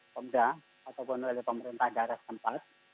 pemda ataupun pemerintah daerah tempat